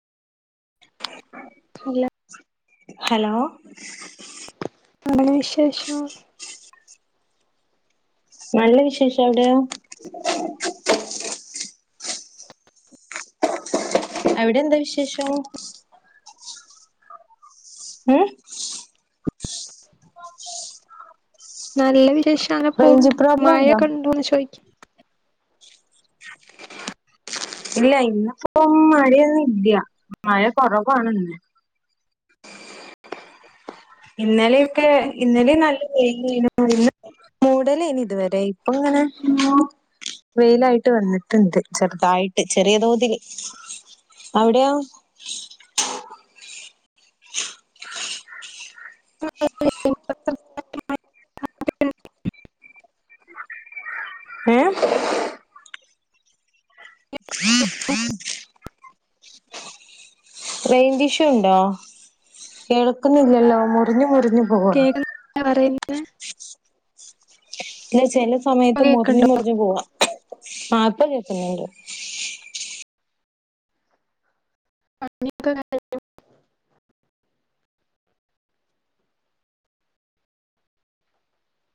അല്ല ഹലോ എന്താണ് വിശേഷം നല്ല വിശേഷം എവിടെയോ അവിടെ എന്താ വിശേഷം ഉം നല്ല വിശേഷാണ് റേഞ്ച് പോണ്ട് പ്രോബ്ലം ഉണ്ടോ മഴയൊക്കെണ്ടോന്ന് ചോദിക്കും ഇല്ല ഇന്നപ്പോ മഴയൊന്നും ഇല്ല മഴ കൊറവാണ് ഇന്ന് ഇന്നലെയൊക്കെ ഇന്നലെ നല്ല വെയിലാണ് മൂടലാണ് ഇതുവരെ ഇപ്പ അ വെയിലായിട്ട് വന്നിട്ടുണ്ട് ചെറുതായിട്ട് ചെറിയ തോതിൽ അവിടെയൊ അം [unintelligible] ഏ റേഞ്ച് ഇഷ്യൂ ഉണ്ടോ കേൾക്കുന്നില്ലല്ലോ മുറിഞ്ഞു മുറിഞ്ഞു പോകണ് കേൾക്കുന്നില്ല [unintelligible] ഇല്ല ചില ഇപ്പൊ സമയത്ത് മുറിഞ്ഞു മുറിഞ്ഞു പോവാ ആഹ ഇപ്പൊ കേൾക്കുന്നുണ്ട് [inaudible]